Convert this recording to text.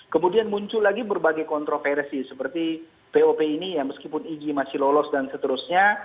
kemudian muncul lagi berbagai kontroversi seperti pop ini ya meskipun igi masih lolos dan seterusnya